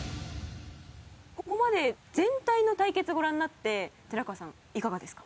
ここまで全体の対決ご覧になって寺川さんいかがですか？